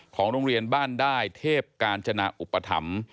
ของโรงเรียนบ้านได้เทพกาญจนาอุปถัมภ์